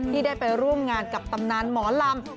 ที่ได้ไปร่วมงานกับตำนานหมอลำ